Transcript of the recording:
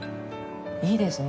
いいですね。